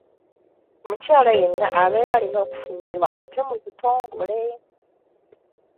Omukyala yenna abeera alina okufumbirwa ate mu butongole.